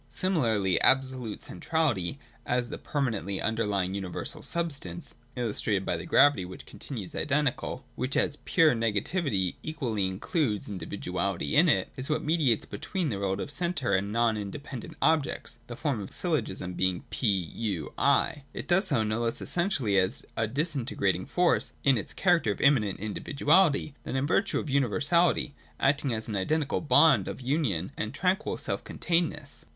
Similarly absolute centrality, as the per manently underlying universal substance (illustrated by the gravity which continues identical), w^hich as pure negativity equally includes individuality in it, is what mediates between the relative centre and the non inde pendent objects (the form of syllogism being P — U — I). It does so no less essentially as a disintegrating force, in its character of immanent individuality, than in virtue of universality, acting as an identical bond of union and tranquil self containedness.